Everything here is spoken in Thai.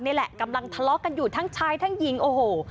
นี่แหละกำลังทะเลาะกันอยู่ทั้งชายทั้งหญิงโอ้โห